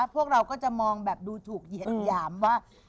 พวกเราก็จะมองแบบดูถูกเหยียดหยามว่า